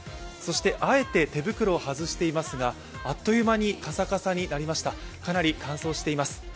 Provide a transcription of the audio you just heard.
あえて手袋を外していますがあっという間にカサカサになりました、かなり乾燥しています。